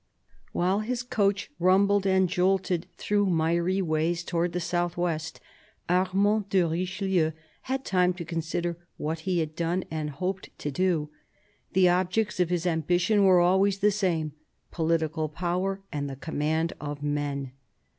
WHILE his coach rumbled and jolted through miry ways towards the south west, Armand de Richelieu had time to consider what he had done and hoped to do. The objects of his ambition were always the same : political power and the command of men.